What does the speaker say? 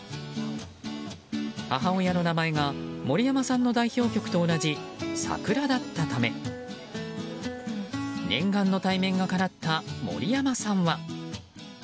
母親の名前が森山さんの代表曲と同じサクラだったため念願の対面がかなった森山さんは。